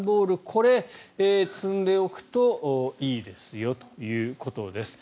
これ、積んでおくといいですよということです。